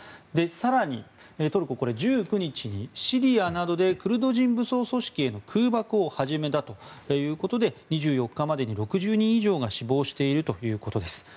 更にトルコこれは１９日にシリアなどでクルド人武装組織への空爆を始めたということで２４日までに６０人以上が死亡しているということです。